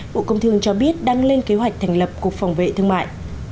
bộ công thương cho biết đang lên kế hoạch thành lập cục phòng vệ thương mại